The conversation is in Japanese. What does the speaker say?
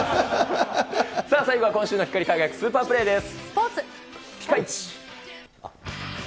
さあ、最後は今週の光り輝くスーパープレーです。